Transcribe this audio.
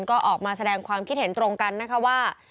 ก็ออกมาแสดงความคิดเห็นตรงกันนะคะว่า